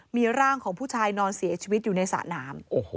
มีร่างของผู้ชายนอนเสียชีวิตอยู่ในสระน้ำ